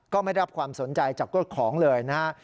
ก็ไม่รับความสนใจจับโดดของเลยนะฮะ